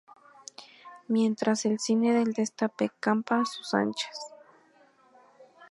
Mientras, el cine del destape campa a sus anchas.